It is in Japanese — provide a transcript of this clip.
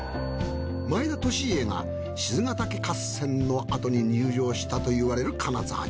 前田利家が賤ヶ岳合戦のあとに入城したといわれる金沢城。